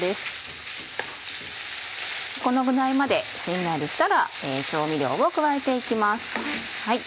このぐらいまでしんなりしたら調味料を加えて行きます。